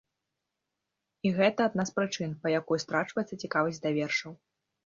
І гэта адна з прычын, па якой страчваецца цікавасць да вершаў.